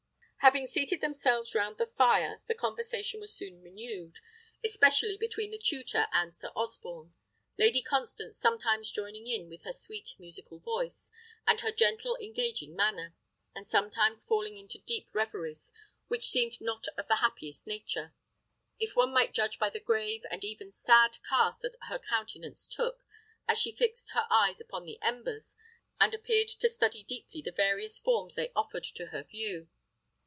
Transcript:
Having seated themselves round the fire, the conversation was soon renewed, especially between the tutor and Sir Osborne: Lady Constance sometimes joining in with her sweet musical voice, and her gentle, engaging manner, and sometimes falling into deep reveries, which seemed not of the happiest nature, if one might judge by the grave, and even sad cast that her countenance took, as she fixed her eyes upon the embers, and appeared to study deeply the various forms they offered to her view.